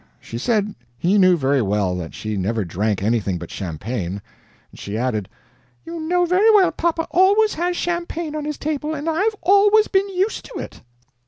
She said he knew very well that she never drank anything but champagne. She added: "You know very well papa always has champagne on his table, and I've always been used to it."